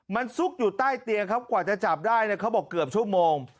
มันซุกอยู่ใต้เตียงครับกว่าจะจับได้เนี่ยเขาบอกเกือบชั่วโมง